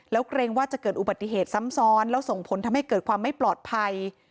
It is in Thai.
แล้วเกรงว่าจะเกิดอุบัติเหตุซ้ำซ้อนแล้วส่งผลทำให้เกิดความไม่ปลอดภัย